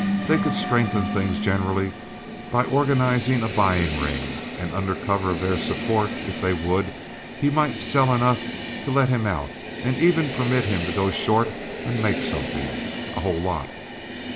They could strengthen things generally by organizing a buying ring, and under cover of their support, if they would, he might sell enough to let him out, and even permit him to go short and make something—a whole lot.